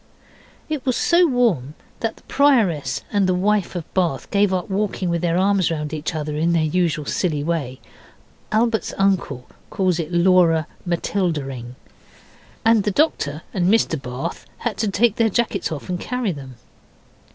It was so warm that the Prioress and the wife of Bath gave up walking with their arms round each other in their usual silly way (Albert's uncle calls it Laura Matildaing), and the Doctor and Mr Bath had to take their jackets off and carry them.